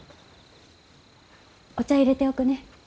お茶いれておくね。